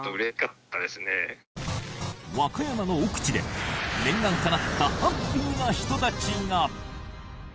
和歌山の奥地で念願かなったハッピーな人たちが。